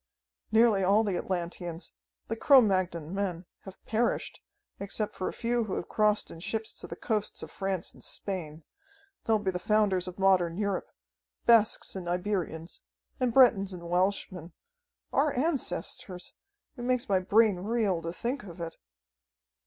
Nearly all the Atlanteans, the Cro Magnon men, have perished, except for a few who have crossed in ships to the coasts of France and Spain. They'll be the founders of modern Europe Basques and Iberians, and Bretons and Welshmen. Our ancestors! It makes my brain reel to think of it!"